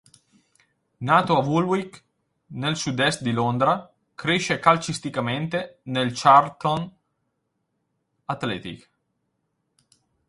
Nato a Woolwich, nel sud-est di Londra, cresce calcisticamente nel Charlton Athletic.